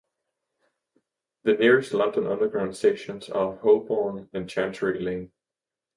The nearest London Underground stations are Holborn and Chancery Lane.